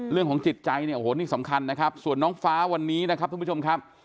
เรื่องของจิตใจเนี่ยโอ้โหนี่สำคัญนะครับส่วนน้องฟ้าวันนี้นะครับทุกผู้ชมครับ